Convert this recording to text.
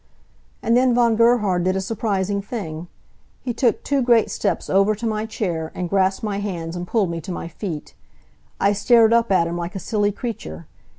And then Von Gerhard did a surprising thing. He took two great steps over to my chair, and grasped my hands and pulled me to my feet. I stared up at him like a silly creature.